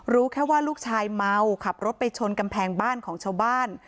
รู้แค่ว่าลูกชายเมาขับรถไปชนกำแพงบ้านของชาวบ้าน